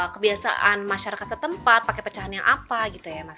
kebiasaan masyarakat setempat pakai pecahan yang apa gitu ya mas